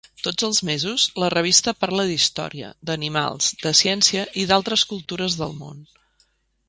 Tots els mesos, la revista parla d'història, d'animals, de ciència i d'altres cultures del món.